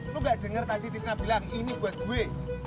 lu gak dengar tadi tisna bilang ini buat gue